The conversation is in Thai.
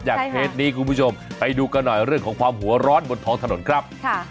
เคสนี้คุณผู้ชมไปดูกันหน่อยเรื่องของความหัวร้อนบนท้องถนนครับ